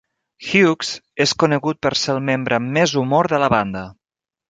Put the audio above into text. Hughes és conegut per ser el membre amb més humor de la banda.